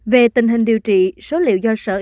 về tình hình điều trị số liệu do sử dụng của các địa phương